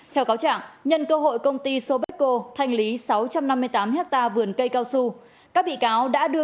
theo cáo trạng nhân cơ hội công ty sobetco thanh lý sáu trăm năm mươi tám hectare vườn cây cao su các bị cáo đã đưa